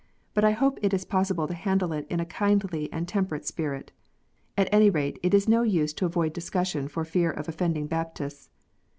But I hope it is possible to handle it in a kindly and temperate spirit. At any rate it is no use to avoid discussion for fear of offending Baptists.